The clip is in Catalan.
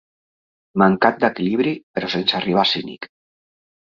Mancat d'equilibri, però sense arribar a cínic.